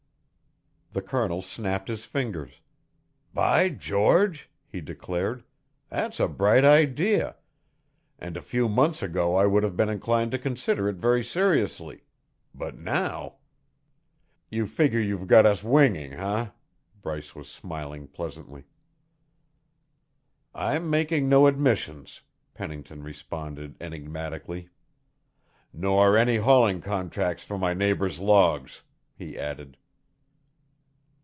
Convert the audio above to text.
The Colonel snapped his fingers. "By George," he declared, "that's a bright idea, and a few months ago I would have been inclined to consider it very seriously. But now " "You figure you've got us winging, eh?" Bryce was smiling pleasantly. "I am making no admissions," Pennington responded enigmatically " nor any hauling contracts for my neighbour's logs," he added.